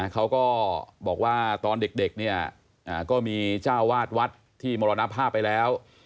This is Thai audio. เขาก็บอกว่าตอนเด็กเนี่ยก็มีเจ้าวาดวัดที่มรณภาพไปแล้ว